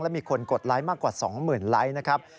มีคนกดไลค์มากกว่า๒๐๐๐ไลค์นะครับ